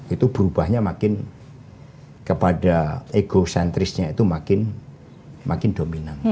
itu berubahnya makin kepada egocentrisnya itu makin dominan